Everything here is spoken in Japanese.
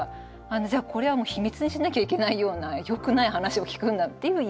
じゃこれはもう秘密にしなきゃいけないような良くない話を聞くんだっていうイメージ。